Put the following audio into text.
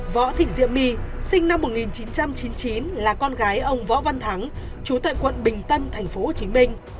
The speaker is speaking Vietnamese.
võ thị diệm my sinh năm một nghìn chín trăm chín mươi chín là con gái ông võ văn thắng chú tại quận bình tân thành phố hồ chí minh